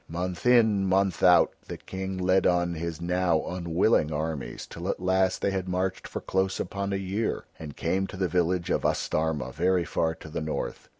Month in, month out, the King led on his now unwilling armies, till at last they had marched for close upon a year and came to the village of Astarma very far to the north.